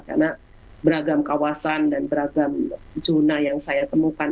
karena beragam kawasan dan beragam zona yang saya temukan